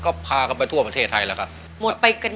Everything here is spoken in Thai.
เห็นบอกว่าหมดไปกับค่ารักษานี่เยอะเหมือนกัน